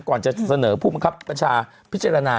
ก่อนจะเสนอผู้บังคับบัญชาพิจารณา